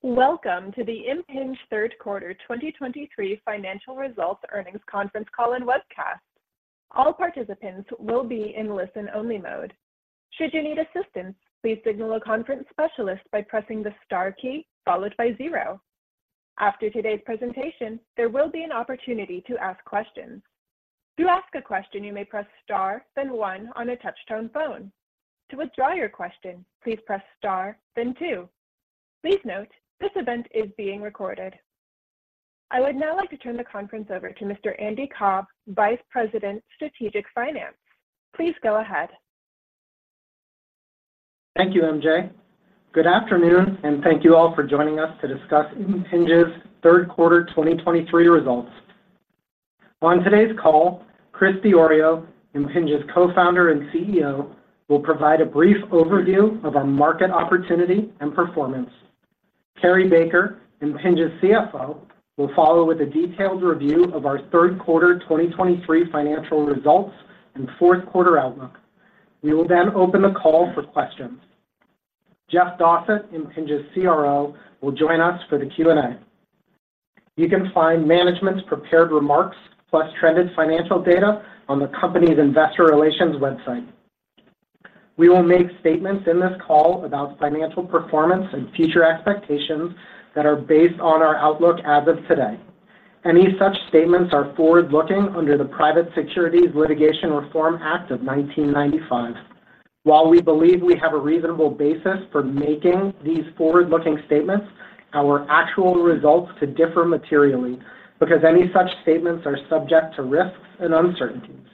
Welcome to the Impinj Q3 2023 financial results earnings conference call and webcast. All participants will be in listen-only mode. Should you need assistance, please signal a conference specialist by pressing the Star key followed by zero. After today's presentation, there will be an opportunity to ask questions. To ask a question, you may press Star, then One on a touchtone phone. To withdraw your question, please press Star then Two. Please note, this event is being recorded. I would now like to turn the conference over to Mr. Andy Cobb, Vice President, Strategic Finance. Please go ahead. Thank you, MJ. Good afternoon, and thank you all for joining us to discuss Impinj's Q3 2023 results. On today's call, Chris Diorio, Impinj's Co-founder and CEO, will provide a brief overview of our market opportunity and performance. Cary Baker, Impinj's CFO, will follow with a detailed review of our Q3 2023 financial results and Q4 outlook. We will then open the call for questions. Jeff Dossett, Impinj's CRO, will join us for the Q&A. You can find management's prepared remarks, plus trended financial data on the company's investor relations website. We will make statements in this call about financial performance and future expectations that are based on our outlook as of today. Any such statements are forward-looking under the Private Securities Litigation Reform Act of 1995. While we believe we have a reasonable basis for making these forward-looking statements, our actual results could differ materially because any such statements are subject to risks and uncertainties.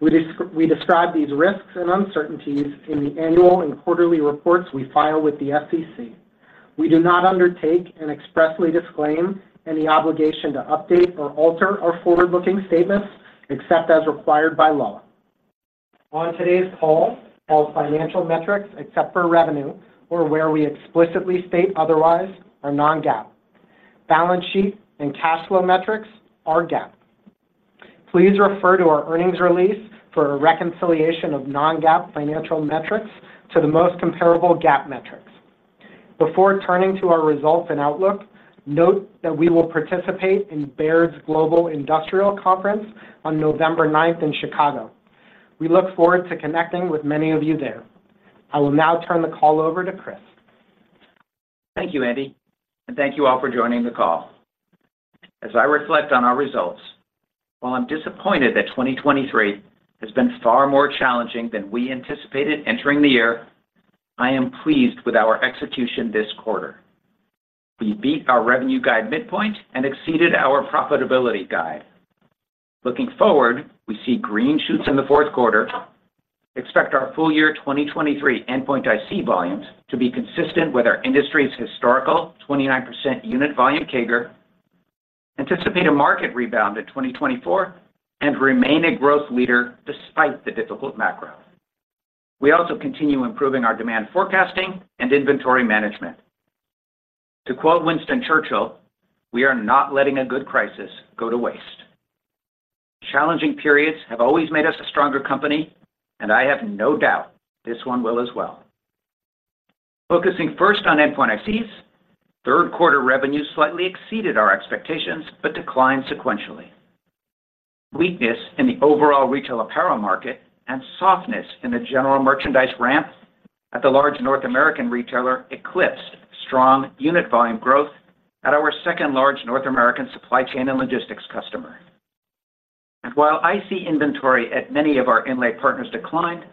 We describe these risks and uncertainties in the annual and quarterly reports we file with the SEC. We do not undertake and expressly disclaim any obligation to update or alter our forward-looking statements, except as required by law. On today's call, all financial metrics, except for revenue or where we explicitly state otherwise, are non-GAAP. Balance sheet and cash flow metrics are GAAP. Please refer to our earnings release for a reconciliation of non-GAAP financial metrics to the most comparable GAAP metrics. Before turning to our results and outlook, note that we will participate in Baird's Global Industrial Conference on November ninth in Chicago. We look forward to connecting with many of you there. I will now turn the call over to Chris. Thank you, Andy, and thank you all for joining the call. As I reflect on our results, while I'm disappointed that 2023 has been far more challenging than we anticipated entering the year, I am pleased with our execution this quarter. We beat our revenue guide midpoint and exceeded our profitability guide. Looking forward, we see green shoots in the Q4, expect our full year 2023 Endpoint IC volumes to be consistent with our industry's historical 29% unit volume CAGR, anticipate a market rebound in 2024, and remain a growth leader despite the difficult macro. We also continue improving our demand forecasting and inventory management. To quote Winston Churchill, "We are not letting a good crisis go to waste." Challenging periods have always made us a stronger company, and I have no doubt this one will as well. Focusing first on Endpoint ICs, Q3 revenue slightly exceeded our expectations, but declined sequentially. Weakness in the overall retail apparel market and softness in the general merchandise ramp at the large North American retailer eclipsed strong unit volume growth at our second large North American supply chain and logistics customer. While IC inventory at many of our inlay partners declined,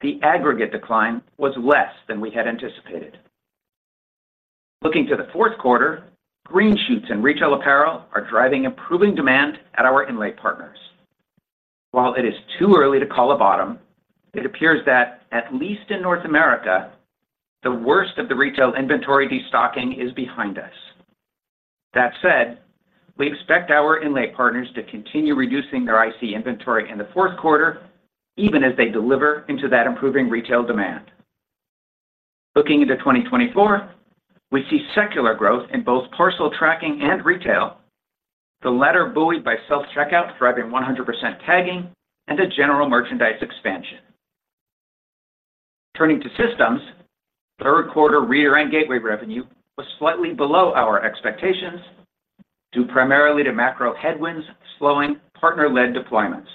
the aggregate decline was less than we had anticipated. Looking to the Q4, green shoots in retail apparel are driving improving demand at our inlay partners. While it is too early to call a bottom, it appears that, at least in North America, the worst of the retail inventory destocking is behind us. That said, we expect our inlay partners to continue reducing their IC inventory in the Q4, even as they deliver into that improving retail demand. Looking into 2024, we see secular growth in both parcel tracking and retail, the latter buoyed by self-checkout, driving 100% tagging and a general merchandise expansion. Turning to systems, Q3 reader and gateway revenue was slightly below our expectations, due primarily to macro headwinds, slowing partner-led deployments.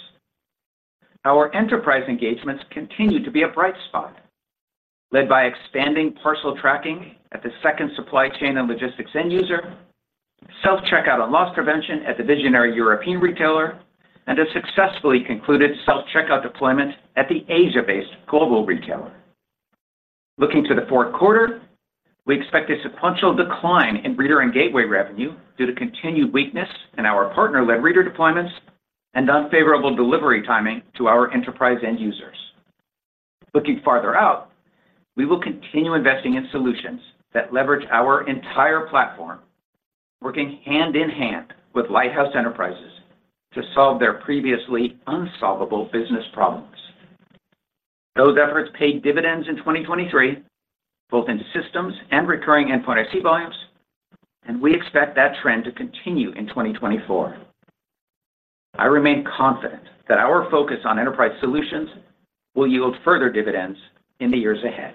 Our enterprise engagements continued to be a bright spot, led by expanding parcel tracking at the second supply chain and logistics end user, self-checkout and loss prevention at the visionary European retailer, and a successfully concluded self-checkout deployment at the Asia-based global retailer. Looking to the Q4, we expect a sequential decline in reader and gateway revenue due to continued weakness in our partner-led reader deployments and unfavorable delivery timing to our enterprise end users. Looking farther out, we will continue investing in solutions that leverage our entire platform, working hand in hand with lighthouse enterprises to solve their previously unsolvable business problems. Those efforts paid dividends in 2023, both in systems and recurring Endpoint IC volumes, and we expect that trend to continue in 2024.... I remain confident that our focus on enterprise solutions will yield further dividends in the years ahead.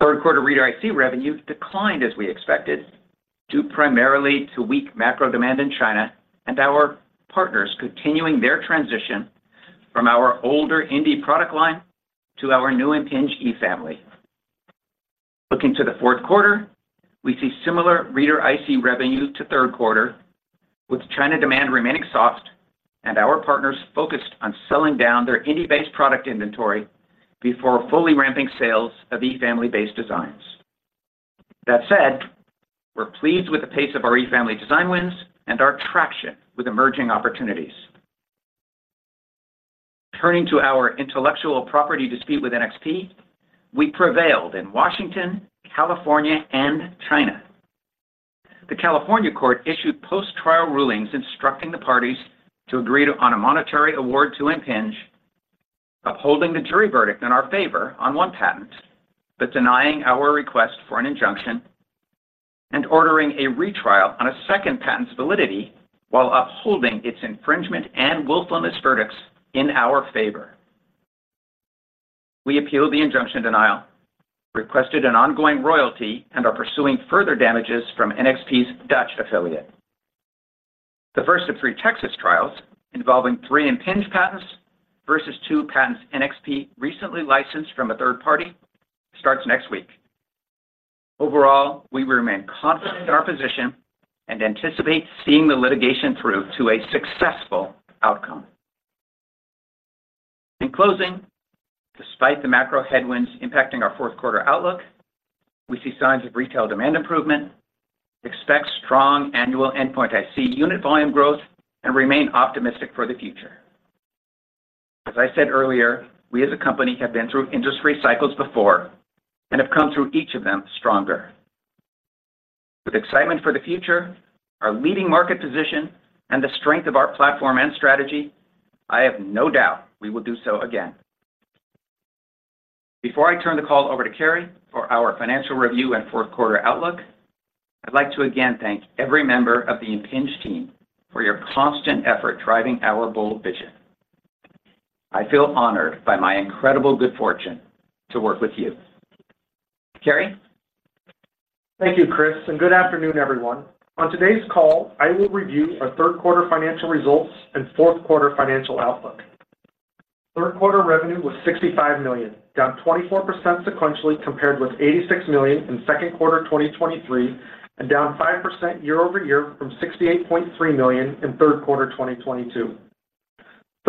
Q3 reader IC revenue declined as we expected, due primarily to weak macro demand in China and our partners continuing their transition from our older Indy product line to our new Impinj eFamily. Looking to the Q4, we see similar reader IC revenue to Q3, with China demand remaining soft and our partners focused on selling down their Indy-based product inventory before fully ramping sales of eFamily-based designs. That said, we're pleased with the pace of our eFamily design wins and our traction with emerging opportunities. Turning to our intellectual property dispute with NXP, we prevailed in Washington, California, and China. The California court issued post-trial rulings instructing the parties to agree upon a monetary award to Impinj, upholding the jury verdict in our favor on one patent, but denying our request for an injunction and ordering a retrial on a second patent's validity, while upholding its infringement and willfulness verdicts in our favor. We appealed the injunction denial, requested an ongoing royalty, and are pursuing further damages from NXP's Dutch affiliate. The first of three Texas trials, involving three Impinj patents versus two patents NXP recently licensed from a third party, starts next week. Overall, we remain confident in our position and anticipate seeing the litigation through to a successful outcome. In closing, despite the macro headwinds impacting our Q4 outlook, we see signs of retail demand improvement, expect strong annual Endpoint IC unit volume growth, and remain optimistic for the future. As I said earlier, we as a company have been through industry cycles before and have come through each of them stronger. With excitement for the future, our leading market position, and the strength of our platform and strategy, I have no doubt we will do so again. Before I turn the call over to Cary for our financial review and Q4 outlook, I'd like to again thank every member of the Impinj team for your constant effort driving our bold vision. I feel honored by my incredible good fortune to work with you. Cary? Thank you, Chris, and good afternoon, everyone. On today's call, I will review our Q3 financial results and Q4 financial outlook. Q3 revenue was $65 million, down 24% sequentially compared with $86 million in Q2 2023, and down 5% year-over-year from $68.3 million in Q3 2022.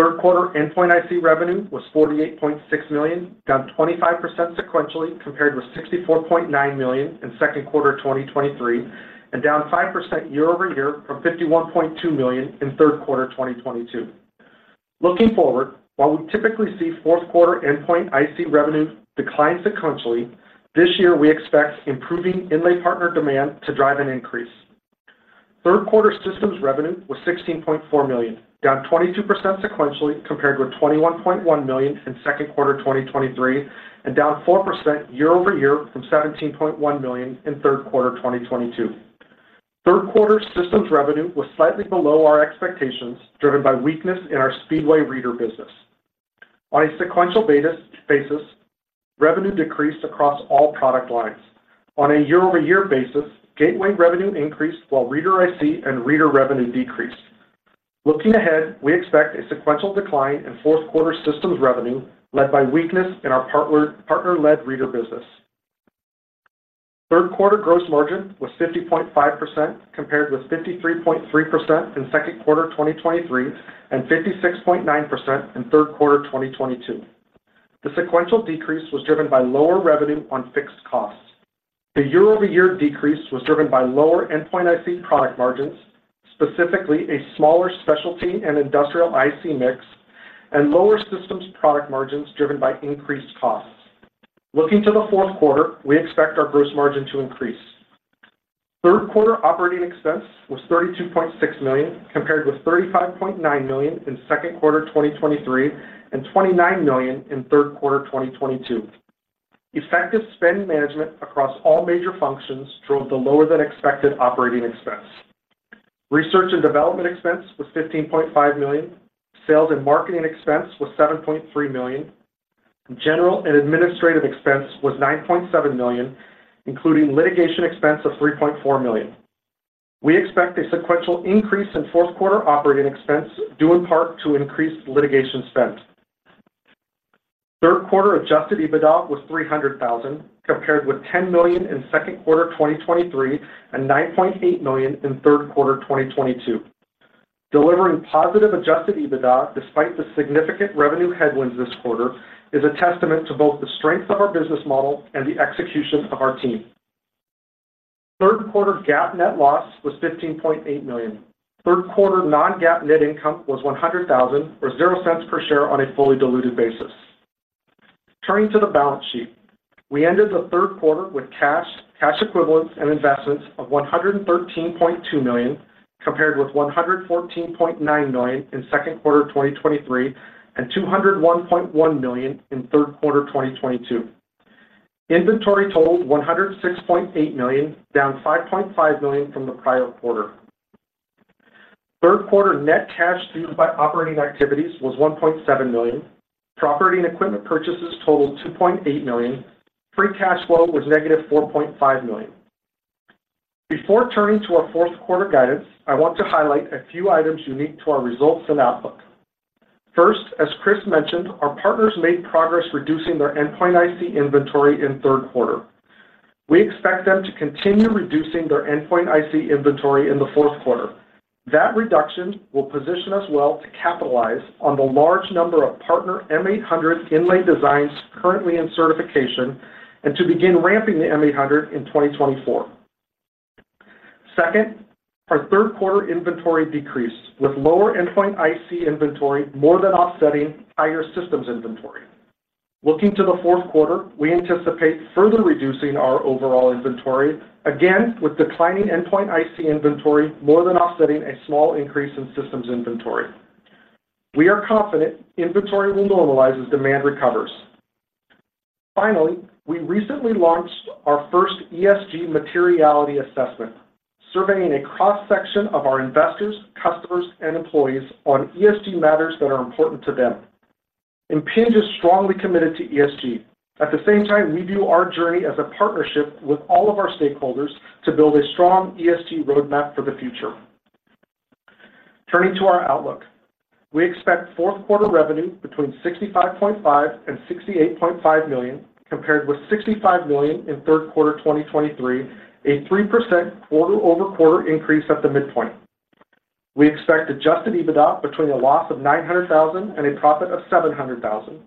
Q3 Endpoint IC revenue was $48.6 million, down 25% sequentially compared with $64.9 million in Q2 2023, and down 5% year-over-year from $51.2 million in Q3 2022. Looking forward, while we typically see Q4 Endpoint IC revenue decline sequentially, this year we expect improving inlay partner demand to drive an increase. Q3 systems revenue was $16.4 million, down 22% sequentially compared with $21.1 million in Q2 2023, and down 4% year-over-year from $17.1 million in Q3 2022. Q3 systems revenue was slightly below our expectations, driven by weakness in our Speedway reader business. On a sequential basis, revenue decreased across all product lines. On a year-over-year basis, gateway revenue increased while reader IC and reader revenue decreased. Looking ahead, we expect a sequential decline in Q4 systems revenue, led by weakness in our partner-led reader business. Q3 gross margin was 50.5%, compared with 53.3% in Q2 2023 and 56.9% in Q3 2022. The sequential decrease was driven by lower revenue on fixed costs. The year-over-year decrease was driven by lower endpoint IC product margins, specifically a smaller specialty and industrial IC mix, and lower systems product margins driven by increased costs. Looking to the Q4, we expect our gross margin to increase. Q3 operating expense was $32.6 million, compared with $35.9 million in Q2 2023 and $29 million in Q3 2022. Effective spend management across all major functions drove the lower-than-expected operating expense. Research and development expense was $15.5 million. Sales and marketing expense was $7.3 million. General and administrative expense was $9.7 million, including litigation expense of $3.4 million. We expect a sequential increase in Q4 operating expense, due in part to increased litigation spend. Q3 Adjusted EBITDA was $300,000, compared with $10 million in Q2 2023 and $9.8 million in Q3 2022. Delivering positive Adjusted EBITDA despite the significant revenue headwinds this quarter is a testament to both the strength of our business model and the execution of our team. Q3 GAAP net loss was $15.8 million. Q3 non-GAAP net income was $100,000, or $0.00 per share on a fully diluted basis. Turning to the balance sheet, we ended the Q3 with cash, cash equivalents, and investments of $113.2 million, compared with $114.9 million in Q2 2023 and $201.1 million in Q3 2022. Inventory totaled $106.8 million, down $5.5 million from the prior quarter. Q3 net cash used by operating activities was $1.7 million. Property and equipment purchases totaled $2.8 million. Free Cash Flow was negative $4.5 million. Before turning to our Q4 guidance, I want to highlight a few items unique to our results and outlook. First, as Chris mentioned, our partners made progress reducing their Endpoint IC inventory in Q3. We expect them to continue reducing their Endpoint IC inventory in the Q4. That reduction will position us well to capitalize on the large number of partner M800 inlay designs currently in certification, and to begin ramping the M800 in 2024. Second, our Q3 inventory decreased, with lower Endpoint IC inventory more than offsetting higher systems inventory. Looking to the Q4, we anticipate further reducing our overall inventory, again, with declining Endpoint IC inventory more than offsetting a small increase in systems inventory. We are confident inventory will normalize as demand recovers. Finally, we recently launched our first ESG materiality assessment, surveying a cross-section of our investors, customers, and employees on ESG matters that are important to them. Impinj is strongly committed to ESG. At the same time, we view our journey as a partnership with all of our stakeholders to build a strong ESG roadmap for the future. Turning to our outlook, we expect Q4 revenue between $65.5 million and $68.5 million, compared with $65 million in Q3 2023, a 3% quarter-over-quarter increase at the midpoint. We expect Adjusted EBITDA between a loss of $900,000 and a profit of $700,000.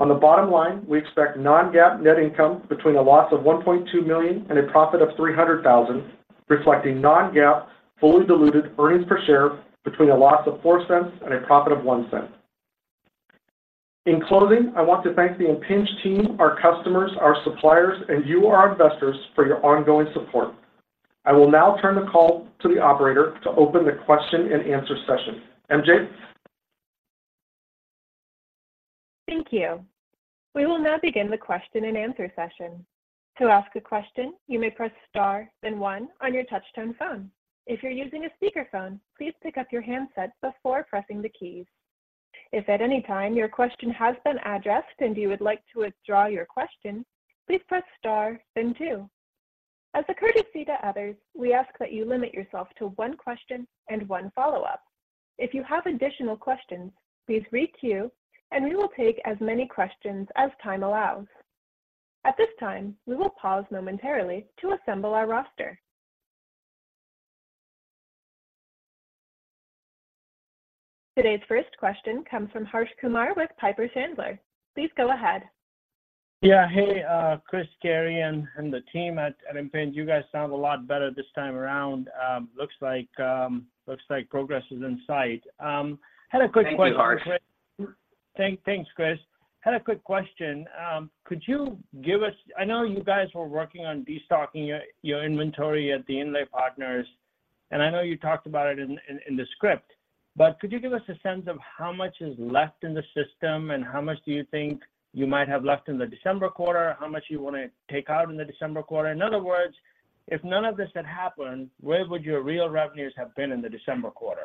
On the bottom line, we expect non-GAAP net income between a loss of $1.2 million and a profit of $300,000, reflecting non-GAAP fully diluted earnings per share between a loss of $0.04 and a profit of $0.01. In closing, I want to thank the Impinj team, our customers, our suppliers, and you, our investors, for your ongoing support. I will now turn the call to the operator to open the question and answer session. MJ? Thank you. We will now begin the question and answer session. To ask a question, you may press star then one on your touchtone phone. If you're using a speakerphone, please pick up your handset before pressing the keys. If at any time your question has been addressed and you would like to withdraw your question, please press star then two. As a courtesy to others, we ask that you limit yourself to one question and one follow-up. If you have additional questions, please queue, and we will take as many questions as time allows. At this time, we will pause momentarily to assemble our roster. Today's first question comes from Harsh Kumar with Piper Sandler. Please go ahead. Yeah. Hey, Chris, Cary, and the team at Impinj. You guys sound a lot better this time around. Looks like progress is in sight. Had a quick question- Thank you, Harsh. Thanks, Chris. Had a quick question. Could you give us—I know you guys were working on destocking your inventory at the inlay partners, and I know you talked about it in the script, but could you give us a sense of how much is left in the system? And how much do you think you might have left in the December quarter, how much you want to take out in the December quarter? In other words, if none of this had happened, where would your real revenues have been in the December quarter?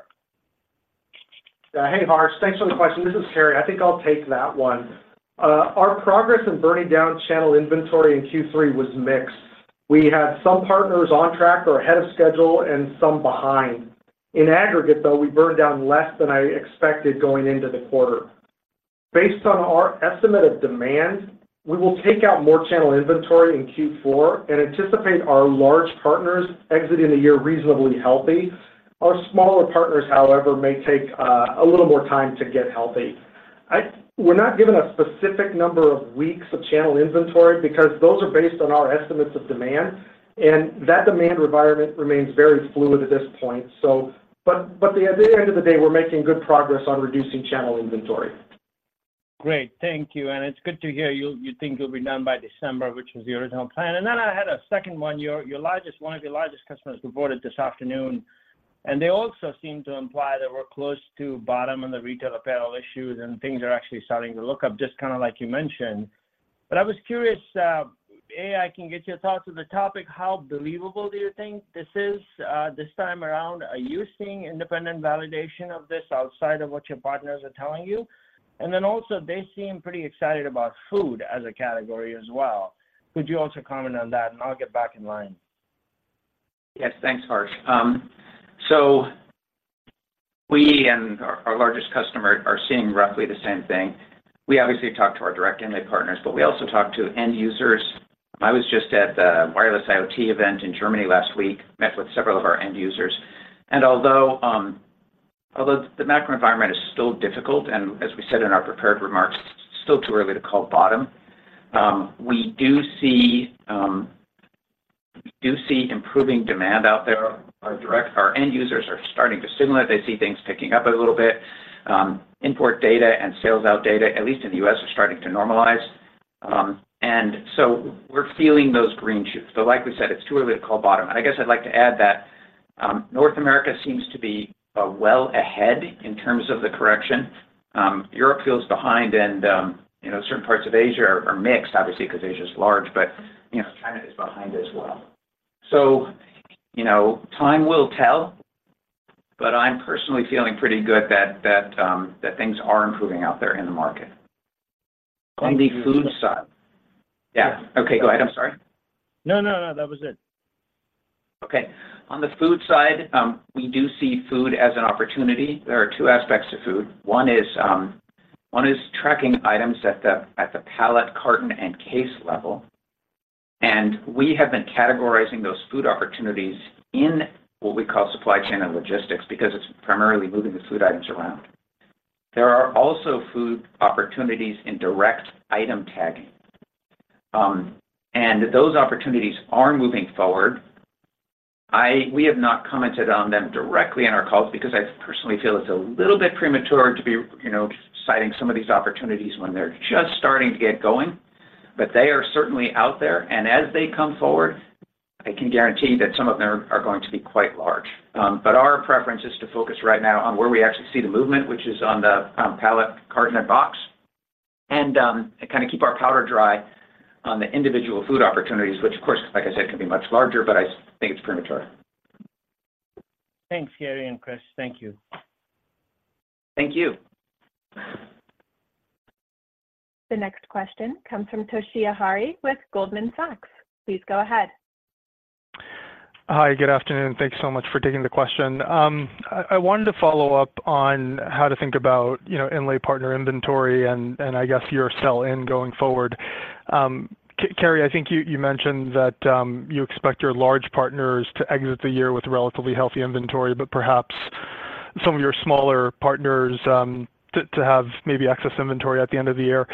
Hey, Harsh. Thanks for the question. This is Cary. I think I'll take that one. Our progress in burning down channel inventory in Q3 was mixed. We had some partners on track or ahead of schedule, and some behind. In aggregate, though, we burned down less than I expected going into the quarter. Based on our estimate of demand, we will take out more channel inventory in Q4 and anticipate our large partners exiting the year reasonably healthy. Our smaller partners, however, may take a little more time to get healthy. We're not giving a specific number of weeks of channel inventory because those are based on our estimates of demand, and that demand environment remains very fluid at this point, so... But at the end of the day, we're making good progress on reducing channel inventory. Great. Thank you, and it's good to hear you think you'll be done by December, which was the original plan. Then I had a second one. Your largest, one of your largest customers reported this afternoon, and they also seemed to imply that we're close to bottom on the retail apparel issues, and things are actually starting to look up, just kind of like you mentioned. But I was curious. A, I can get your thoughts on the topic, how believable do you think this is, this time around? Are you seeing independent validation of this outside of what your partners are telling you? And then also, they seem pretty excited about food as a category as well. Could you also comment on that, and I'll get back in line. Yes. Thanks, Harsh. So we and our largest customer are seeing roughly the same thing. We obviously talk to our direct inlay partners, but we also talk to end users. I was just at the Wireless IoT event in Germany last week, met with several of our end users, and although the macro environment is still difficult, and as we said in our prepared remarks, it's still too early to call bottom, we do see improving demand out there. Our end users are starting to signal that they see things picking up a little bit. Import data and sales out data, at least in the U.S., are starting to normalize. And so we're feeling those green shoots, but like we said, it's too early to call bottom. And I guess I'd like to add that-... North America seems to be well ahead in terms of the correction. Europe feels behind, and you know, certain parts of Asia are mixed, obviously, because Asia is large, but you know, China is behind as well. So, you know, time will tell, but I'm personally feeling pretty good that things are improving out there in the market. On the food side- Yeah. Okay, go ahead. I'm sorry. No, no, no, that was it. Okay. On the food side, we do see food as an opportunity. There are two aspects to food. One is tracking items at the pallet, carton, and case level. And we have been categorizing those food opportunities in what we call supply chain and logistics because it's primarily moving the food items around. There are also food opportunities in direct item tagging. And those opportunities are moving forward. We have not commented on them directly in our calls because I personally feel it's a little bit premature to be, you know, citing some of these opportunities when they're just starting to get going. But they are certainly out there, and as they come forward, I can guarantee that some of them are going to be quite large. But our preference is to focus right now on where we actually see the movement, which is on the pallet, carton, and box, and kind of keep our powder dry on the individual food opportunities, which, of course, like I said, can be much larger, but I think it's premature. Thanks, Cary and Chris. Thank you. Thank you. The next question comes from Toshiya Hari with Goldman Sachs. Please go ahead. Hi, good afternoon. Thanks so much for taking the question. I wanted to follow up on how to think about, you know, inlay partner inventory and I guess your sell-in going forward. Cary, I think you mentioned that you expect your large partners to exit the year with relatively healthy inventory, but perhaps some of your smaller partners to have maybe excess inventory at the end of the year.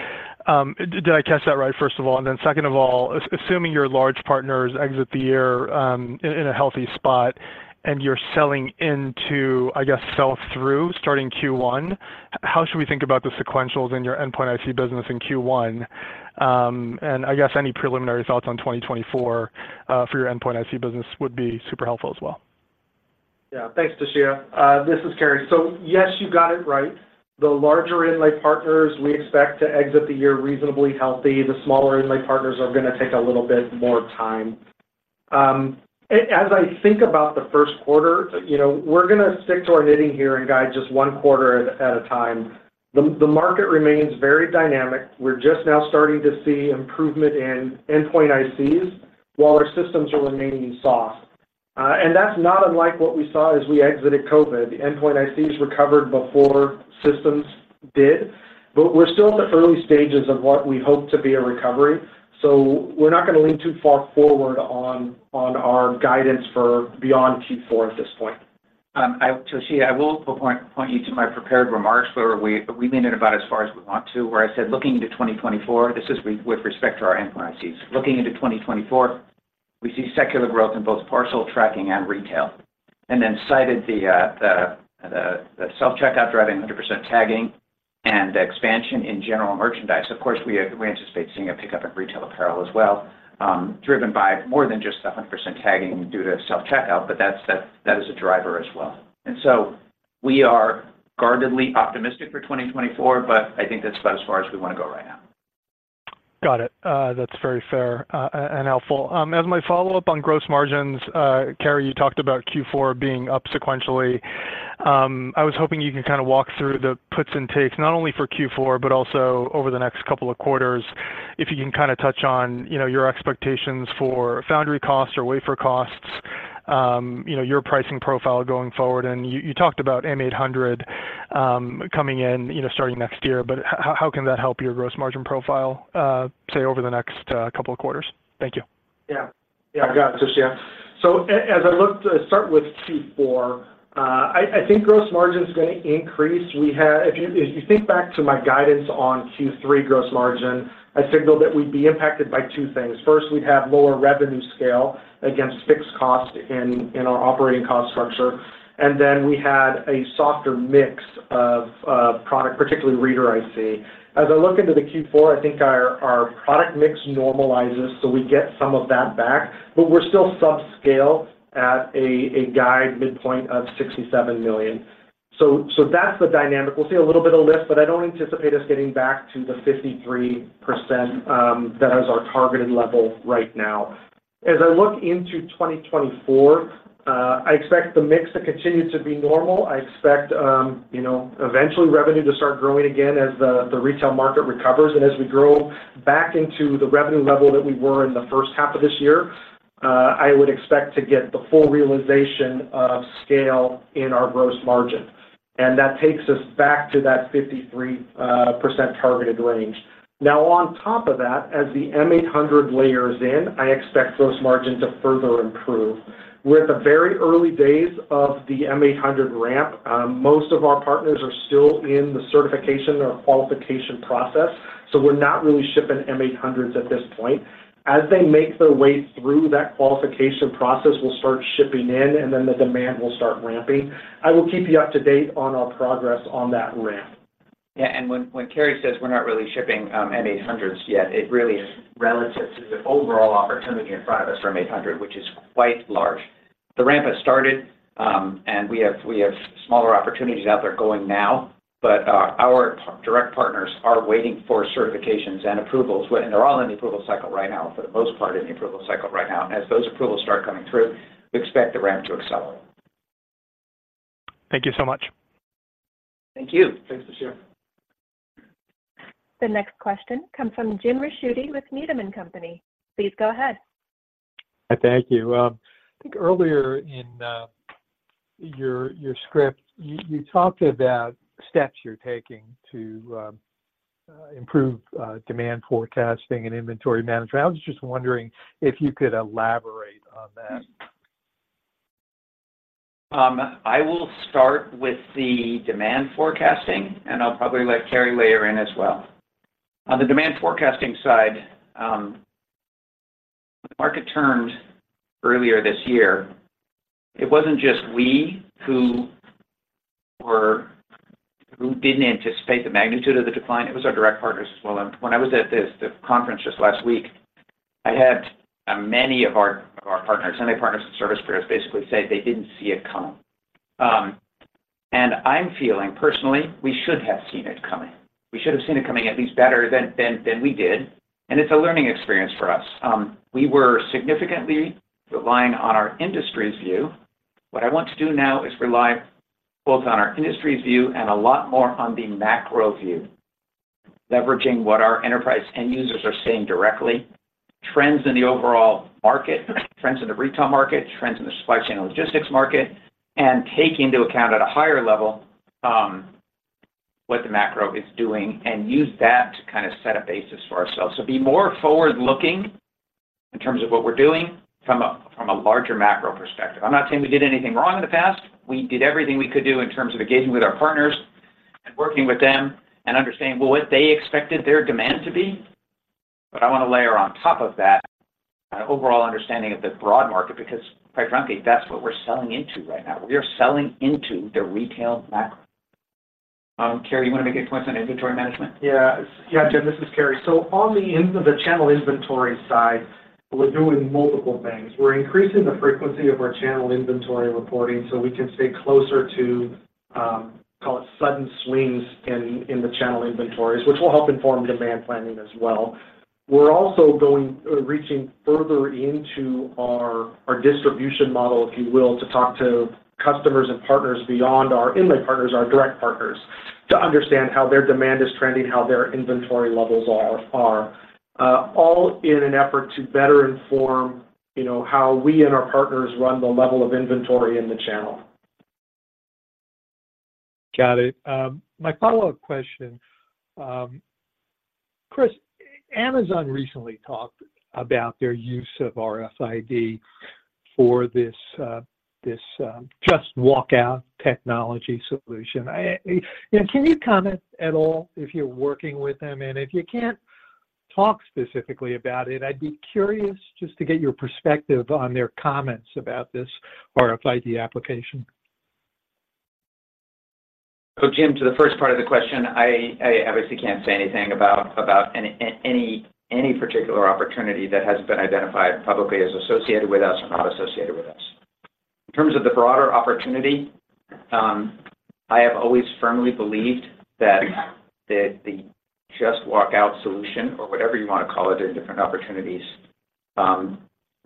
Did I catch that right, first of all? And then second of all, assuming your large partners exit the year in a healthy spot and you're selling into, I guess, sell through starting Q1, how should we think about the sequentials in your Endpoint IC business in Q1? And I guess any preliminary thoughts on 2024 for your Endpoint IC business would be super helpful as well. Yeah. Thanks, Toshiya. This is Cary. So yes, you got it right. The larger inlay partners, we expect to exit the year reasonably healthy. The smaller inlay partners are going to take a little bit more time. As I think about the Q1, you know, we're going to stick to our knitting here and guide just one quarter at a time. The market remains very dynamic. We're just now starting to see improvement in endpoint ICs while our systems are remaining soft. And that's not unlike what we saw as we exited COVID. The endpoint ICs recovered before systems did, but we're still in the early stages of what we hope to be a recovery. So we're not going to lean too far forward on our guidance for beyond Q4 at this point. I, Toshiya Hari, will point you to my prepared remarks, where we leaned in about as far as we want to, where I said, looking into 2024, this is with respect to our endpoint ICs. Looking into 2024, we see secular growth in both parcel tracking and retail, and then cited the self-checkout, driving 100% tagging and expansion in general merchandise. Of course, we anticipate seeing a pickup in retail apparel as well, driven by more than just a 100% tagging due to self-checkout, but that's a driver as well. And so we are guardedly optimistic for 2024, but I think that's about as far as we want to go right now. Got it. That's very fair, and helpful. As my follow-up on gross margins, Cary, you talked about Q4 being up sequentially. I was hoping you could kind of walk through the puts and takes, not only for Q4, but also over the next couple of quarters. If you can kind of touch on, you know, your expectations for foundry costs or wafer costs, you know, your pricing profile going forward. And you talked about M800, coming in, you know, starting next year, but how can that help your gross margin profile, say, over the next couple of quarters? Thank you. Yeah. Yeah, I got it, Toshiya Hari. So as I look to start with Q4, I think gross margin is going to increase. We have. If you think back to my guidance on Q3 gross margin, I signaled that we'd be impacted by two things. First, we'd have lower revenue scale against fixed cost in our operating cost structure, and then we had a softer mix of product, particularly Reader IC. As I look into the Q4, I think our product mix normalizes, so we get some of that back, but we're still subscale at a guide midpoint of $67 million. So that's the dynamic. We'll see a little bit of lift, but I don't anticipate us getting back to the 53% that is our targeted level right now. As I look into 2024, I expect the mix to continue to be normal. I expect, you know, eventually revenue to start growing again as the retail market recovers. As we grow back into the revenue level that we were in the first half of this year, I would expect to get the full realization of scale in our gross margin, and that takes us back to that 53% targeted range. Now, on top of that, as the M800 layers in, I expect those margins to further improve. We're at the very early days of the M800 ramp. Most of our partners are still in the certification or qualification process, so we're not really shipping M800s at this point. As they make their way through that qualification process, we'll start shipping in, and then the demand will start ramping. I will keep you up to date on our progress on that ramp. ... Yeah, and when Cary says we're not really shipping M800s yet, it really is relative to the overall opportunity in front of us for M800, which is quite large. The ramp has started, and we have smaller opportunities out there going now, but our direct partners are waiting for certifications and approvals, and they're all in the approval cycle right now, for the most part, in the approval cycle right now. As those approvals start coming through, we expect the ramp to accelerate. Thank you so much. Thank you. Thanks for sharing. The next question comes from Jim Ricciuti with Needham & Company. Please go ahead. Thank you. I think earlier in your script, you talked about steps you're taking to improve demand forecasting and inventory management. I was just wondering if you could elaborate on that. I will start with the demand forecasting, and I'll probably let Cary weigh in as well. On the demand forecasting side, the market turned earlier this year. It wasn't just we who didn't anticipate the magnitude of the decline. It was our direct partners as well. When I was at the conference just last week, I had many of our partners and service providers basically say they didn't see it coming. And I'm feeling personally, we should have seen it coming. We should have seen it coming at least better than we did, and it's a learning experience for us. We were significantly relying on our industry's view. What I want to do now is rely both on our industry's view and a lot more on the macro view, leveraging what our enterprise end users are saying directly, trends in the overall market, trends in the retail market, trends in the supply chain and logistics market, and take into account at a higher level what the macro is doing and use that to kind of set a basis for ourselves. So be more forward-looking in terms of what we're doing from a larger macro perspective. I'm not saying we did anything wrong in the past. We did everything we could do in terms of engaging with our partners and working with them and understanding well what they expected their demand to be. But I want to layer on top of that an overall understanding of the broad market, because quite frankly, that's what we're selling into right now. We are selling into the retail macro. Cary, you want to make a point on inventory management? Yeah. Yeah, Jim, this is Cary. So on the end of the channel inventory side, we're doing multiple things. We're increasing the frequency of our channel inventory reporting so we can stay closer to, call it, sudden swings in the channel inventories, which will help inform demand planning as well. We're also going, reaching further into our, our distribution model, if you will, to talk to customers and partners beyond our inland partners, our direct partners, to understand how their demand is trending, how their inventory levels are, all in an effort to better inform, you know, how we and our partners run the level of inventory in the channel. Got it. My follow-up question, Chris, Amazon recently talked about their use of RFID for this Just Walk Out technology solution. Can you comment at all if you're working with them? And if you can't talk specifically about it, I'd be curious just to get your perspective on their comments about this RFID application. So, Jim, to the first part of the question, I obviously can't say anything about any particular opportunity that has been identified publicly as associated with us or not associated with us. In terms of the broader opportunity, I have always firmly believed that the Just Walk Out solution, or whatever you want to call it in different opportunities,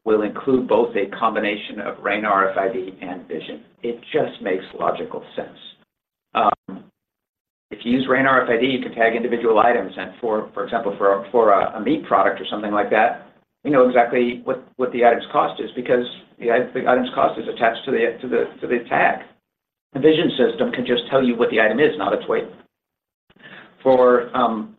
will include both a combination of RAIN RFID and Vision. It just makes logical sense. If you use RAIN RFID, you can tag individual items and for example, for a meat product or something like that, we know exactly what the item's cost is because the item's cost is attached to the tag. The vision system can just tell you what the item is, not its weight. For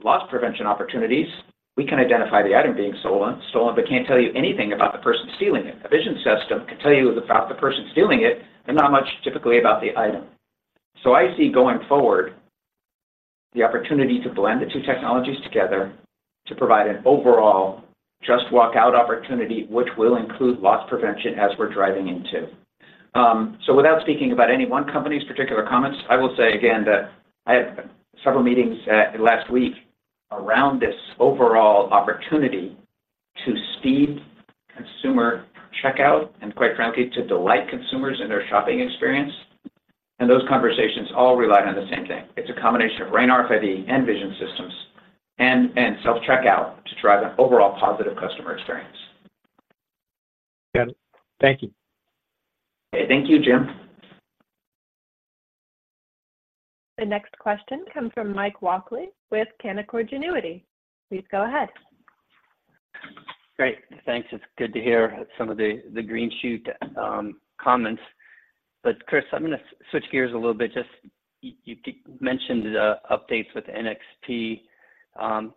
loss prevention opportunities, we can identify the item being stolen, stolen, but can't tell you anything about the person stealing it. A vision system can tell you about the person stealing it, but not much typically about the item. So I see going forward, the opportunity to blend the two technologies together to provide an overall Just Walk Out opportunity, which will include loss prevention as we're driving into. So without speaking about any one company's particular comments, I will say again that I had several meetings last week around this overall opportunity to speed consumer checkout, and quite frankly, to delight consumers in their shopping experience. And those conversations all relied on the same thing. It's a combination of RAIN RFID and vision systems and self-checkout to drive an overall positive customer experience. Got it. Thank you. Okay. Thank you, Jim. The next question comes from Mike Walkley with Canaccord Genuity. Please go ahead. Great, thanks. It's good to hear some of the green shoot comments. But Chris, I'm gonna switch gears a little bit. Just you mentioned the updates with NXP. Can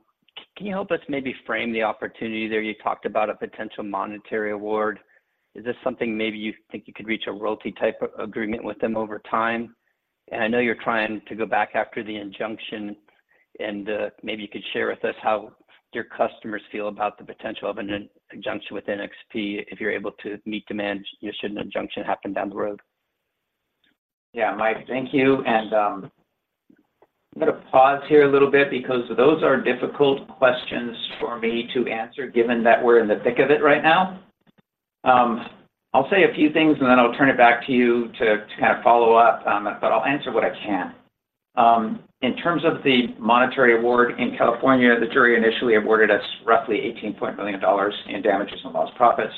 you help us maybe frame the opportunity there? You talked about a potential monetary award. Is this something maybe you think you could reach a royalty type agreement with them over time? And I know you're trying to go back after the injunction and maybe you could share with us how your customers feel about the potential of an injunction with NXP if you're able to meet demand, should an injunction happen down the road? Yeah, Mike, thank you. And, I'm gonna pause here a little bit because those are difficult questions for me to answer, given that we're in the thick of it right now. I'll say a few things, and then I'll turn it back to you to, to kind of follow up, but I'll answer what I can. In terms of the monetary award in California, the jury initially awarded us roughly $18 million in damages and lost profits.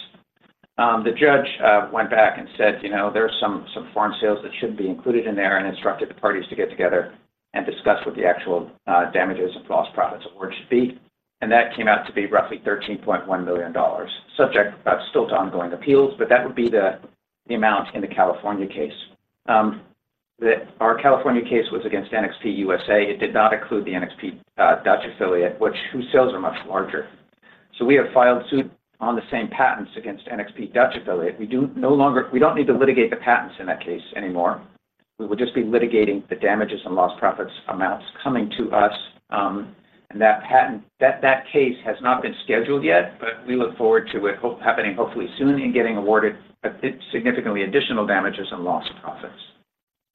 The judge went back and said, "You know, there are some, some foreign sales that should be included in there," and instructed the parties to get together and discuss what the actual damages and lost profits award should be. That came out to be roughly $13.1 million, subject still to ongoing appeals, but that would be the amount in the California case. Our California case was against NXP USA. It did not include the NXP Dutch affiliate, whose sales are much larger. So we have filed suit on the same patents against NXP Dutch affiliate. We don't need to litigate the patents in that case anymore. We will just be litigating the damages and lost profits amounts coming to us, and that case has not been scheduled yet, but we look forward to it hopefully happening soon and getting awarded a significant additional damages and lost profits.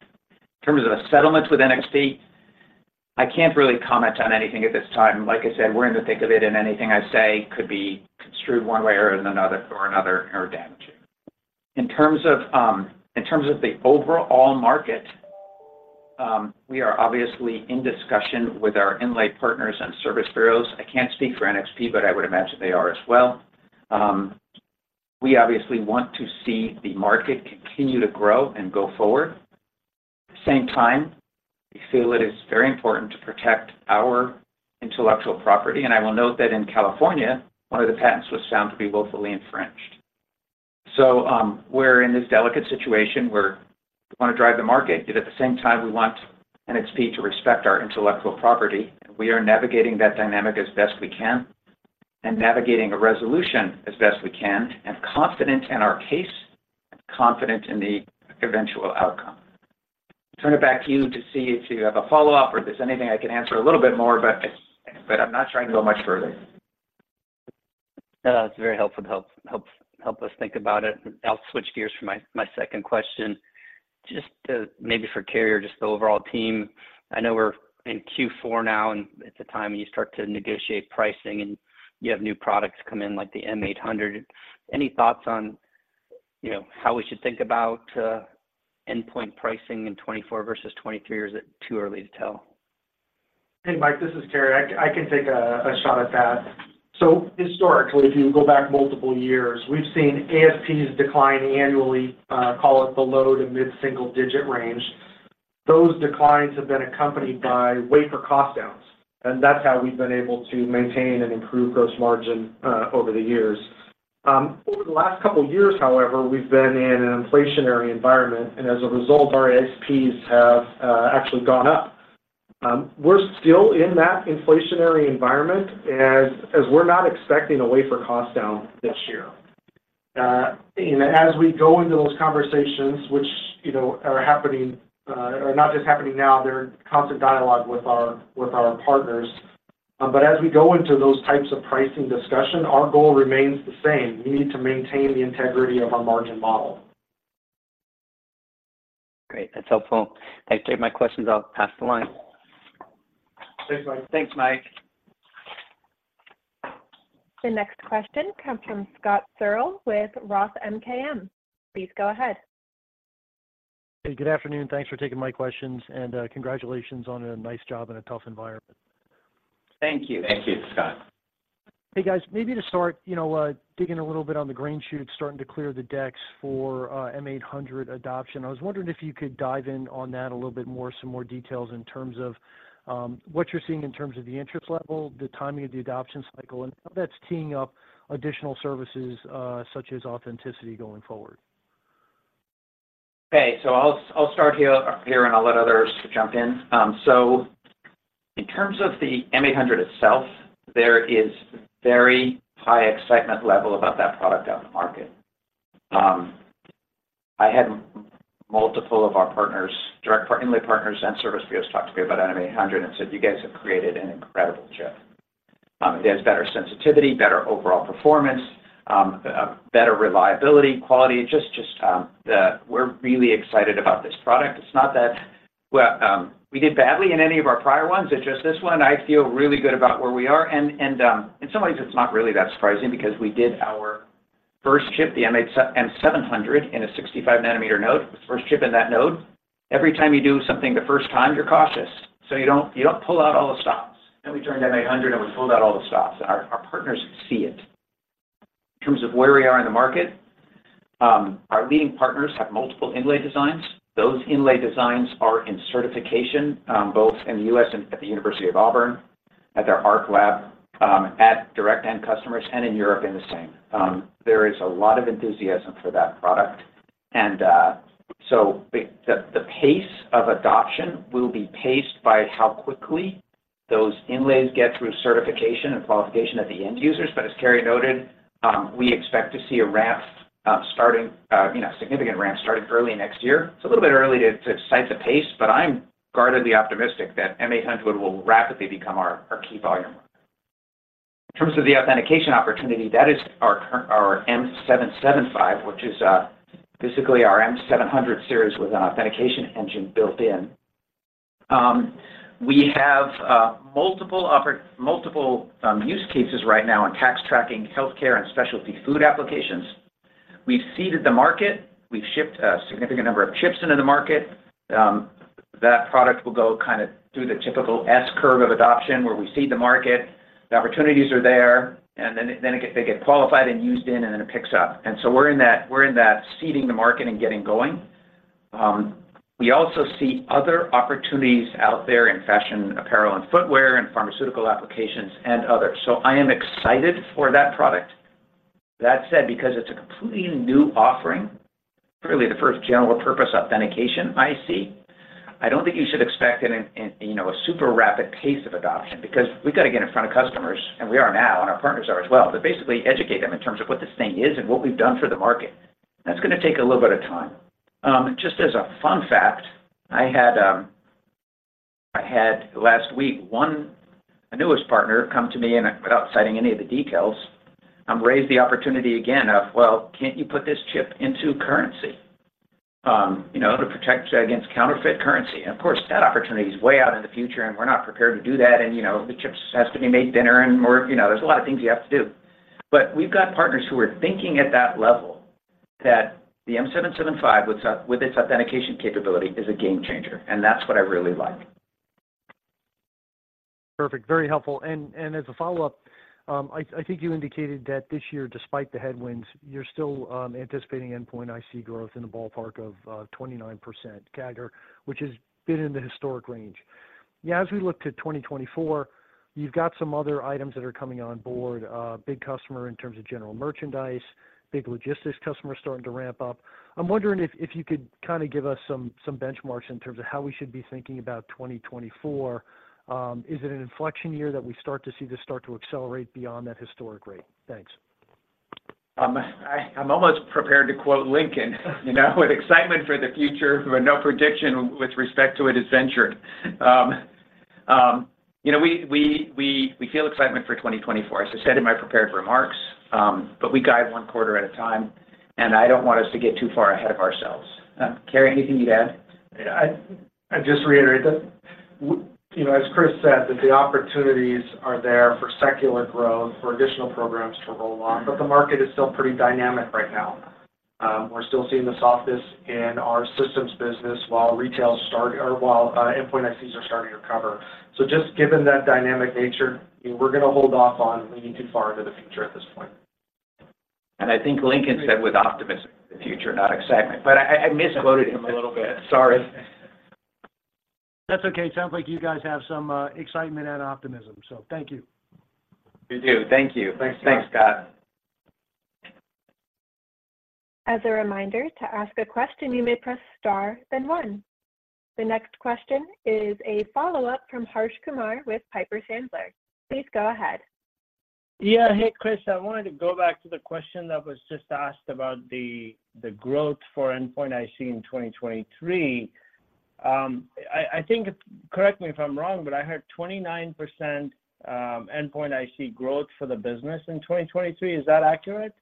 In terms of the settlements with NXP, I can't really comment on anything at this time. Like I said, we're in the thick of it, and anything I say could be construed one way or in another, or another, or damaging. In terms of, in terms of the overall market, we are obviously in discussion with our inlay partners and service bureaus. I can't speak for NXP, but I would imagine they are as well. We obviously want to see the market continue to grow and go forward. At the same time, we feel it is very important to protect our intellectual property, and I will note that in California, one of the patents was found to be willfully infringed. So, we're in this delicate situation where we want to drive the market, yet at the same time, we want NXP to respect our intellectual property. We are navigating that dynamic as best we can and navigating a resolution as best we can, and confident in our case and confident in the eventual outcome. Turn it back to you to see if you have a follow-up or if there's anything I can answer a little bit more, but, but I'm not trying to go much further. It's very helpful, helps us think about it. I'll switch gears for my second question. Just, maybe for Cary or just the overall team, I know we're in Q4 now, and it's a time when you start to negotiate pricing, and you have new products come in, like the M800. Any thoughts on, you know, how we should think about, endpoint pricing in 2024 versus 2023, or is it too early to tell? Hey, Mike, this is Cary. I can take a shot at that. So historically, if you go back multiple years, we've seen ASPs decline annually, call it the low to mid-single-digit range. Those declines have been accompanied by wafer cost downs, and that's how we've been able to maintain and improve gross margin over the years. Over the last couple of years, however, we've been in an inflationary environment, and as a result, our ASPs have actually gone up. We're still in that inflationary environment as we're not expecting a wafer cost down this year. And as we go into those conversations, which you know are happening, are not just happening now, they're in constant dialogue with our partners. But as we go into those types of pricing discussion, our goal remains the same: we need to maintain the integrity of our margin model. Great. That's helpful. I take my questions. I'll pass the line. Thanks, Mike. Thanks, Mike. The next question comes from Scott Searle with Roth MKM. Please go ahead. Hey, good afternoon. Thanks for taking my questions, and, congratulations on a nice job in a tough environment. Thank you. Thank you, Scott. Hey, guys, maybe to start, you know, digging a little bit on the green shoots, starting to clear the decks for M800 adoption. I was wondering if you could dive in on that a little bit more, some more details in terms of what you're seeing in terms of the interest level, the timing of the adoption cycle, and how that's teeing up additional services such as authenticity going forward. Okay, so I'll start here, and I'll let others jump in. So in terms of the M800 itself, there is very high excitement level about that product out in the market. I had multiple of our partners, direct partner, inlay partners and service bureaus, talk to me about M800 and said, "You guys have created an incredible chip." It has better sensitivity, better overall performance, better reliability, quality, just... We're really excited about this product. It's not that, well, we did badly in any of our prior ones. It's just this one, I feel really good about where we are. In some ways, it's not really that surprising because we did our first chip, the M700, in a 65-nanometer node. It was the first chip in that node. Every time you do something the first time, you're cautious, so you don't, you don't pull out all the stops. Then we turned to M800, and we pulled out all the stops. Our partners see it. In terms of where we are in the market, our leading partners have multiple inlay designs. Those inlay designs are in certification, both in the U.S. and at Auburn University, at their ARC lab, at direct end customers, and in Europe in the same. There is a lot of enthusiasm for that product, and so the pace of adoption will be paced by how quickly those inlays get through certification and qualification of the end users. But as Cary noted, we expect to see a ramp, starting, you know, significant ramp starting early next year. It's a little bit early to cite the pace, but I'm guardedly optimistic that M800 will rapidly become our key volume product. In terms of the authentication opportunity, that is our current M775, which is basically our M700 series with an authentication engine built in. We have multiple offers, multiple use cases right now in asset tracking, healthcare, and specialty food applications. We've seeded the market. We've shipped a significant number of chips into the market. That product will go kind of through the typical S-curve of adoption, where we seed the market, the opportunities are there, and then they get qualified and used in, and then it picks up. And so we're in that seeding the market and getting going. We also see other opportunities out there in fashion, apparel, and footwear, and pharmaceutical applications, and others. So I am excited for that product. That said, because it's a completely new offering, really the first general-purpose authentication IC, I don't think you should expect it in, you know, a super rapid pace of adoption, because we've got to get in front of customers, and we are now, and our partners are as well, but basically educate them in terms of what this thing is and what we've done for the market. That's gonna take a little bit of time. Just as a fun fact, I had, I had last week, one, a newest partner, come to me, and without citing any of the details, raised the opportunity again of: "Well, can't you put this chip into currency, you know, to protect against counterfeit currency?" And of course, that opportunity is way out in the future, and we're not prepared to do that, and, you know, the chips has to be made thinner and more... You know, there's a lot of things you have to do. But we've got partners who are thinking at that level, that the M775, with its, with its authentication capability, is a game changer, and that's what I really like. Perfect. Very helpful. And as a follow-up, I think you indicated that this year, despite the headwinds, you're still anticipating Endpoint IC growth in the ballpark of 29% CAGR, which has been in the historic range. As we look to 2024, you've got some other items that are coming on board, big customer in terms of general merchandise, big logistics customer starting to ramp up. I'm wondering if you could kind of give us some benchmarks in terms of how we should be thinking about 2024. Is it an inflection year that we start to see this start to accelerate beyond that historic rate? Thanks. I'm almost prepared to quote Lincoln, you know, with excitement for the future, but no prediction with respect to it is ventured. You know, we feel excitement for 2024, as I said in my prepared remarks, but we guide one quarter at a time, and I don't want us to get too far ahead of ourselves. Cary, anything you'd add? I'd just reiterate that, you know, as Chris said, that the opportunities are there for secular growth, for additional programs to roll on, but the market is still pretty dynamic right now. We're still seeing the softness in our systems business, while Endpoint ICs are starting to recover. So just given that dynamic nature, we're gonna hold off on leaning too far into the future at this point. And I think Lincoln said with optimism for the future, not excitement, but I, I misquoted him a little bit. Sorry. That's okay. Sounds like you guys have some excitement and optimism, so thank you. We do. Thank you. Thanks, Scott. Thanks, Scott. As a reminder, to ask a question, you may press star, then one. The next question is a follow-up from Harsh Kumar with Piper Sandler. Please go ahead. Yeah. Hey, Chris, I wanted to go back to the question that was just asked about the growth for Endpoint IC in 2023. I think, correct me if I'm wrong, but I heard 29% Endpoint IC growth for the business in 2023. Is that accurate?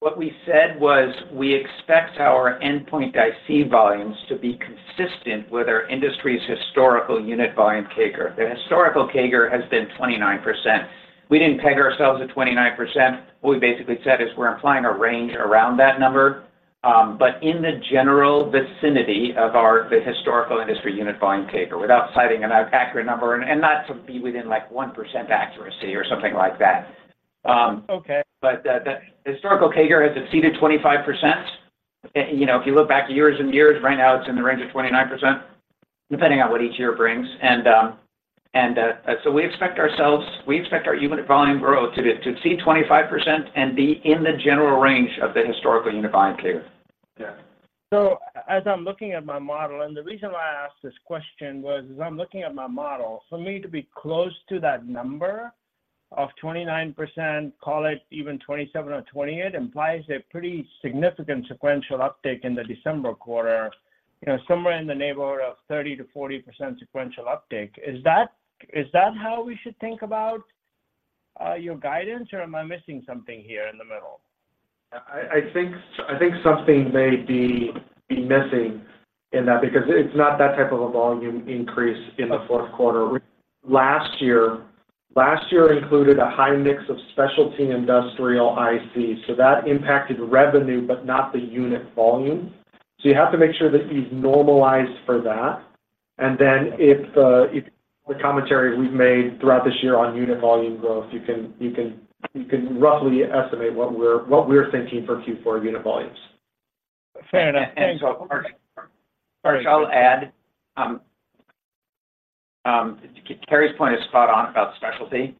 What we said was, we expect our Endpoint IC volumes to be consistent with our industry's historical unit volume CAGR. The historical CAGR has been 29%. We didn't peg ourselves at 29%. What we basically said is we're implying a range around that number, but in the general vicinity of our, the historical industry unit volume CAGR, without citing an accurate number, and not to be within, like, 1% accuracy or something like that. Okay. But the historical CAGR has exceeded 25%. You know, if you look back years and years, right now, it's in the range of 29%, depending on what each year brings. So we expect our unit volume growth to see 25% and be in the general range of the historical unit volume CAGR. Yeah. So as I'm looking at my model, and the reason why I asked this question was, as I'm looking at my model, for me to be close to that number of 29%, call it even 27 or 28, implies a pretty significant sequential uptick in the December quarter, you know, somewhere in the neighborhood of 30%-40% sequential uptick. Is that, is that how we should think about your guidance, or am I missing something here in the middle? I think something may be missing in that, because it's not that type of a volume increase in the Q4. Last year included a high mix of specialty industrial IC, so that impacted revenue, but not the unit volume. So you have to make sure that you normalize for that. And then if the commentary we've made throughout this year on unit volume growth, you can roughly estimate what we're thinking for Q4 unit volumes. Fair enough. Thank you. And so, Harsh, I'll add, Cary's point is spot on about specialty.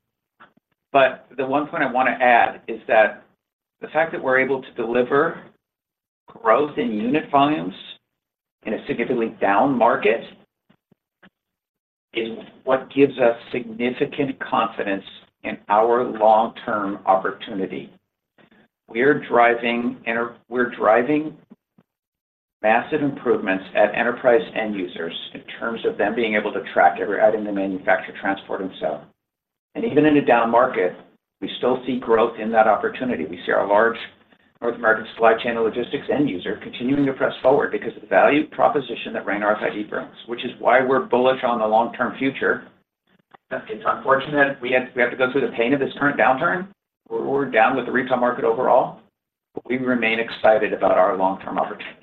But the one point I want to add is that the fact that we're able to deliver growth in unit volumes in a significantly down market is what gives us significant confidence in our long-term opportunity. We're driving massive improvements at enterprise end users in terms of them being able to track every item they manufacture, transport, and sell. And even in a down market, we still see growth in that opportunity. We see our large North American supply chain logistics end user continuing to press forward because of the value proposition that RAIN RFID brings, which is why we're bullish on the long-term future. It's unfortunate we have, we have to go through the pain of this current downturn, where we're down with the retail market overall, but we remain excited about our long-term opportunity.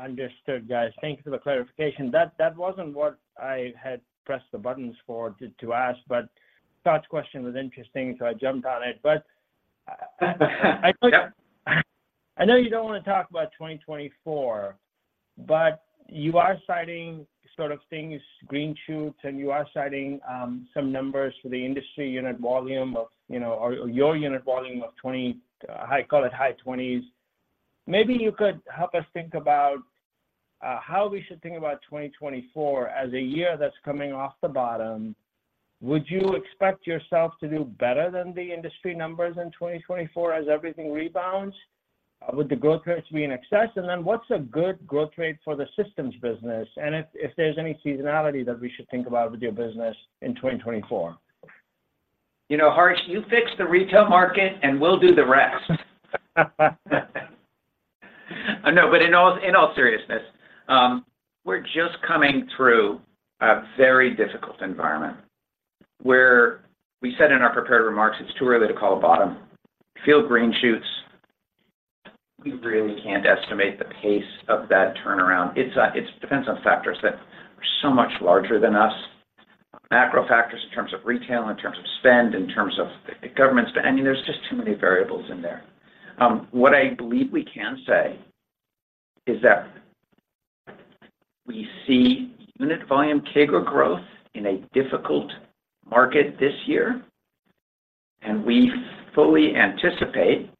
Understood, guys. Thank you for the clarification. That, that wasn't what I had pressed the buttons for, to, to ask, but Todd's question was interesting, so I jumped on it. But. Yep. I know you don't want to talk about 2024, but you are citing sort of things, green shoots, and you are citing some numbers for the industry unit volume of, you know, or, or your unit volume of 20, I call it high 20s. Maybe you could help us think about how we should think about 2024 as a year that's coming off the bottom. Would you expect yourself to do better than the industry numbers in 2024 as everything rebounds? Would the growth rates be in excess? And then what's a good growth rate for the systems business, and if there's any seasonality that we should think about with your business in 2024? You know, Harsh, you fix the retail market, and we'll do the rest. No, but in all seriousness, we're just coming through a very difficult environment, where we said in our prepared remarks, it's too early to call a bottom. We feel green shoots. We really can't estimate the pace of that turnaround. It's, it depends on factors that are so much larger than us. Macro factors in terms of retail, in terms of spend, in terms of the government. I mean, there's just too many variables in there. What I believe we can say is that we see unit volume TIG or growth in a difficult market this year, and we fully anticipate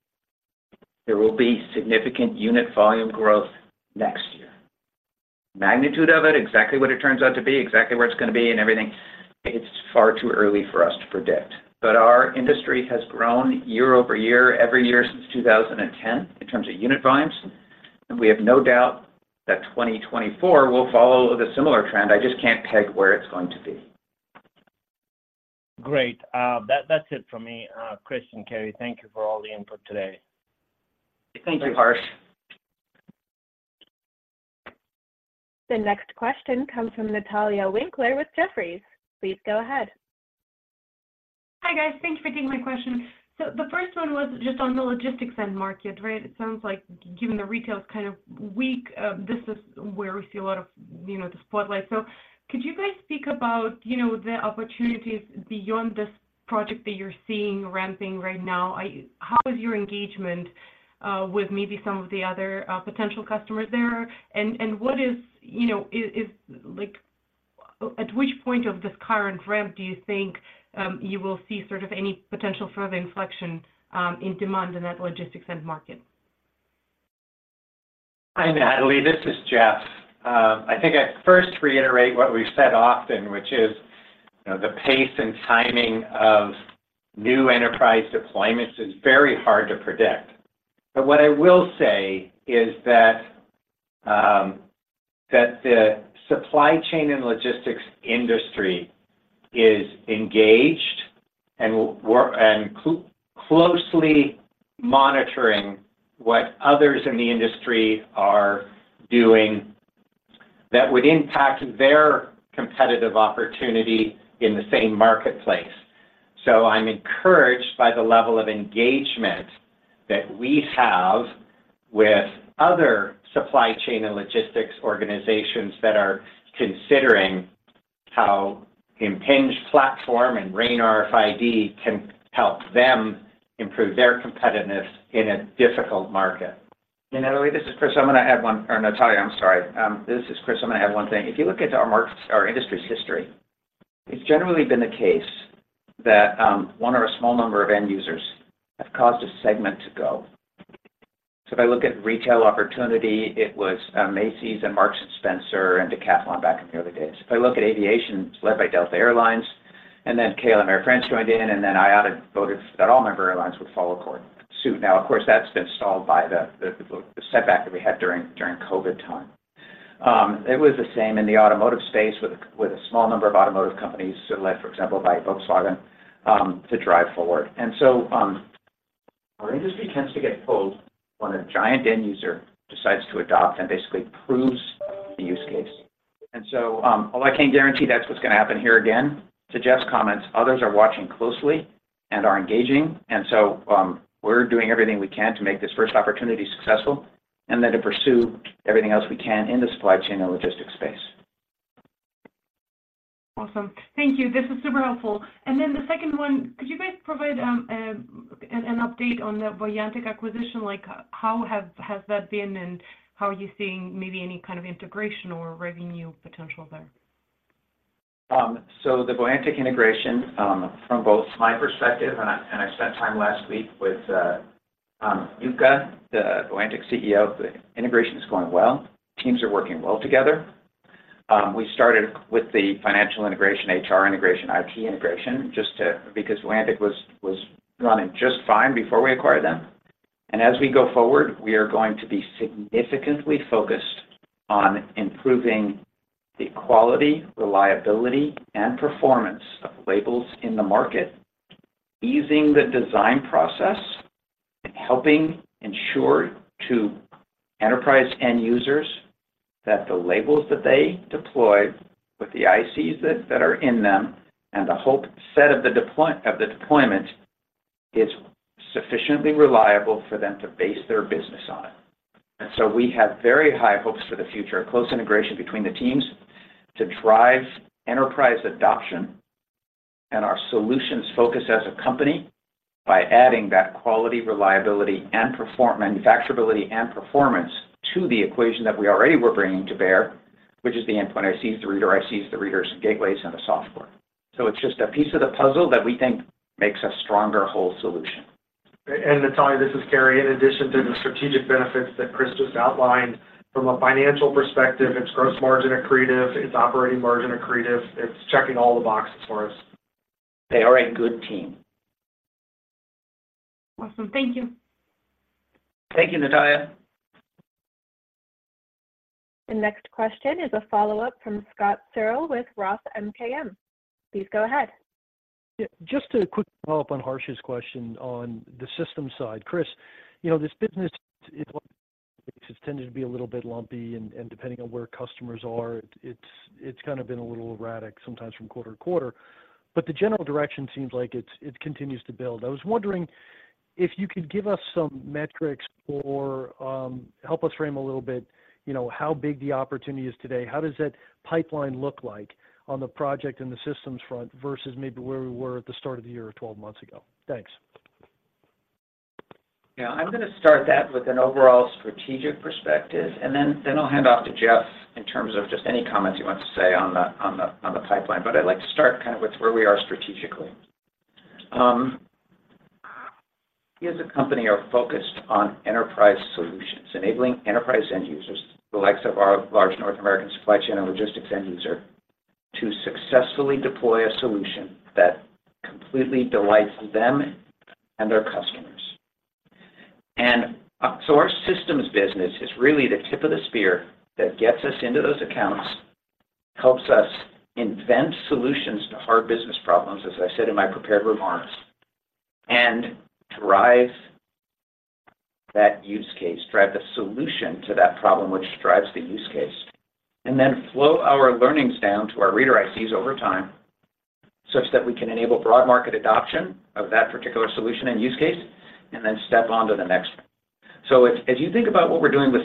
there will be significant unit volume growth next year. Magnitude of it, exactly what it turns out to be, exactly where it's going to be, and everything, it's far too early for us to predict. But our industry has grown year-over-year, every year since 2010 in terms of unit volumes, and we have no doubt that 2024 will follow the similar trend. I just can't peg where it's going to be. Great. That, that's it for me. Chris and Cary, thank you for all the input today. Thank you, Harsh. The next question comes from Natalia Winkler with Jefferies. Please go ahead. Hi, guys. Thanks for taking my question. So the first one was just on the logistics end market, right? It sounds like given the retail is kind of weak, this is where we see a lot of, you know, the spotlight. So could you guys speak about, you know, the opportunities beyond this project that you're seeing ramping right now? How is your engagement with maybe some of the other potential customers there? And what is, you know, like, at which point of this current ramp do you think you will see sort of any potential further inflection in demand in that logistics end market? Hi, Natali, this is Jeff. I think I'd first reiterate what we've said often, which is, you know, the pace and timing of new enterprise deployments is very hard to predict. But what I will say is that that the supply chain and logistics industry is engaged and closely monitoring what others in the industry are doing that would impact their competitive opportunity in the same marketplace. So I'm encouraged by the level of engagement that we have with other supply chain and logistics organizations that are considering how Impinj platform and RAIN RFID can help them improve their competitiveness in a difficult market. And Natali, this is Chris. I'm going to add one... or Natalia, I'm sorry. This is Chris. I'm going to add one thing. If you look at our market, our industry's history, it's generally been the case that one or a small number of end users have caused a segment to go. So if I look at retail opportunity, it was Macy's and Marks and Spencer and Decathlon back in the early days. If I look at aviation, led by Delta Air Lines, and then KLM Air France joined in, and then IATA voted that all member airlines would follow suit. Now, of course, that's been stalled by the setback that we had during COVID time. It was the same in the automotive space with a small number of automotive companies, so led, for example, by Volkswagen, to drive forward. And so, our industry tends to get pulled when a giant end user decides to adopt and basically proves the use case. And so, although I can't guarantee that's what's going to happen here again, to Jeff's comments, others are watching closely and are engaging. And so, we're doing everything we can to make this first opportunity successful, and then to pursue everything else we can in the supply chain and logistics space. Awesome. Thank you. This is super helpful. And then the second one, could you guys provide an update on the Voyantic acquisition? Like, how has that been, and how are you seeing maybe any kind of integration or revenue potential there? So the Voyantic integration, from both my perspective, and I spent time last week with Luca, the Voyantic CEO, is going well. Teams are working well together. We started with the financial integration, HR integration, IT integration, just to, because Landec was running just fine before we acquired them. As we go forward, we are going to be significantly focused on improving the quality, reliability, and performance of labels in the market, easing the design process, and helping ensure to enterprise end users that the labels that they deploy with the ICs that are in them, and the whole set of the deployment, is sufficiently reliable for them to base their business on it. And so we have very high hopes for the future, close integration between the teams to drive enterprise adoption and our solutions focus as a company by adding that quality, reliability, and manufacturability, and performance to the equation that we already were bringing to bear, which is the Endpoint ICs, the Reader ICs, the readers, gateways, and the software. It's just a piece of the puzzle that we think makes a stronger whole solution. Natalia, this is Cary. In addition to the strategic benefits that Chris just outlined, from a financial perspective, it's gross margin accretive, it's operating margin accretive, it's checking all the boxes for us. They are a good team. Awesome. Thank you. Thank you, Natalia. The next question is a follow-up from Scott Searle with Roth MKM. Please go ahead. Yeah, just a quick follow-up on Harsh's question on the systems side. Chris, you know, this business, it's tended to be a little bit lumpy, and, and depending on where customers are, it's, it's kind of been a little erratic, sometimes from quarter to quarter. But the general direction seems like it's, it continues to build. I was wondering if you could give us some metrics or, help us frame a little bit, you know, how big the opportunity is today. How does that pipeline look like on the project and the systems front versus maybe where we were at the start of the year or 12 months ago? Thanks. Yeah, I'm going to start that with an overall strategic perspective, and then I'll hand off to Jeff in terms of just any comments he wants to say on the pipeline. But I'd like to start kind of with where we are strategically. We as a company are focused on enterprise solutions, enabling enterprise end users, the likes of our large North American supply chain and logistics end user, to successfully deploy a solution that completely delights them and their customers. And, so our systems business is really the tip of the spear that gets us into those accounts, helps us invent solutions to hard business problems, as I said in my prepared remarks, and drive that use case, drive the solution to that problem, which drives the use case, and then flow our learnings down to our reader ICs over time, such that we can enable broad market adoption of that particular solution and use case, and then step on to the next one. So if you think about what we're doing with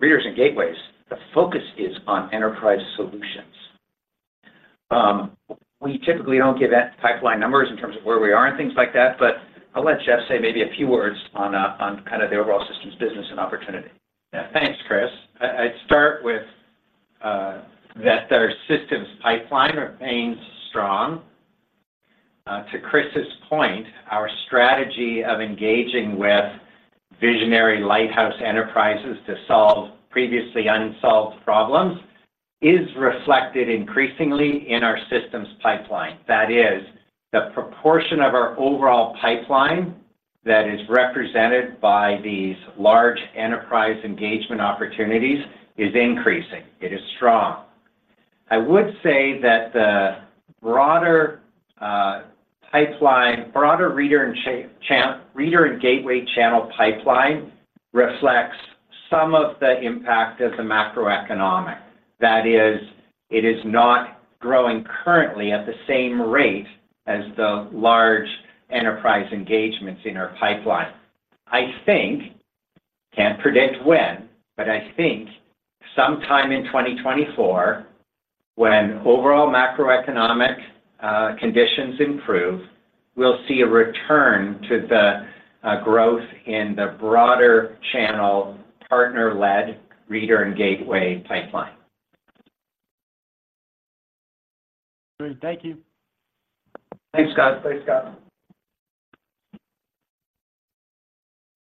readers and gateways, the focus is on enterprise solutions. We typically don't give out pipeline numbers in terms of where we are and things like that, but I'll let Jeff say maybe a few words on kind of the overall systems business and opportunity. Yeah. Thanks, Chris. I'd start with that our systems pipeline remains strong. To Chris's point, our strategy of engaging with visionary lighthouse enterprises to solve previously unsolved problems is reflected increasingly in our systems pipeline. That is, the proportion of our overall pipeline that is represented by these large enterprise engagement opportunities is increasing. It is strong. I would say that the broader pipeline, broader reader and reader and gateway channel pipeline reflects some of the impact of the macroeconomic. That is, it is not growing currently at the same rate as the large enterprise engagements in our pipeline. I think, can't predict when, but I think sometime in 2024, when overall macroeconomic conditions improve, we'll see a return to the growth in the broader channel, partner-led reader and gateway pipeline. Great. Thank you. Thanks, Scott. Thanks, Scott.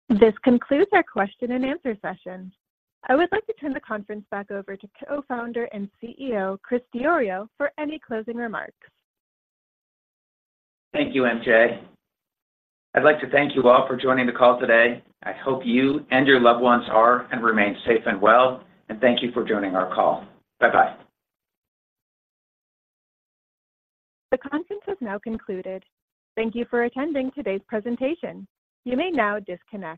This concludes our question and answer session. I would like to turn the conference back over to Co-founder and CEO, Chris Diorio, for any closing remarks. Thank you, MJ. I'd like to thank you all for joining the call today. I hope you and your loved ones are, and remain safe and well, and thank you for joining our call. Bye-bye. The conference has now concluded. Thank you for attending today's presentation. You may now disconnect.